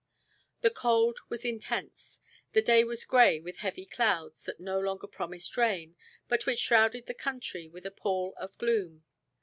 The cold was intense. The day was gray with heavy clouds that no longer promised rain, but which shrouded the country with a pall of gloom.